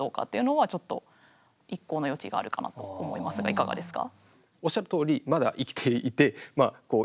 いかがですか？